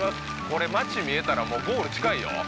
これ街見えたらもうゴール近いよ